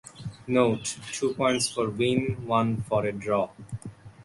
"Note: Two points for win, one for a draw"